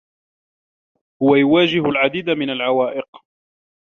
هو يواجه العديد من العوائق.